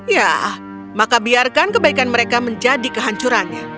ya maka biarkan kebaikan mereka menjadi kehancurannya